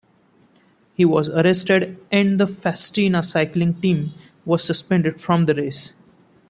He was arrested and the Festina cycling team was suspended from the race.